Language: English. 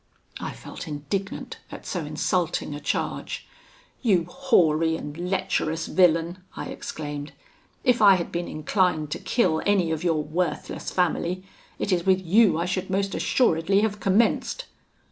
"I felt indignant at so insulting a charge. 'You hoary and lecherous villain!' I exclaimed, 'if I had been inclined to kill any of your worthless family, it is with you I should most assuredly have commenced.'